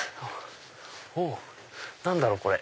何だろう？